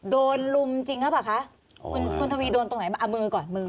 โดนลุมจริงครับคะคุณทวีโดนตรงไหนเอามือก่อน